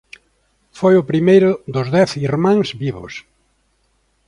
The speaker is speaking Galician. Foi o primeiro dos dez irmáns vivos.